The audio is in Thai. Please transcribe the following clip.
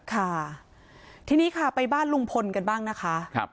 ค่ะทีนี้ค่ะไปบ้านลุงพลกันบ้างนะคะ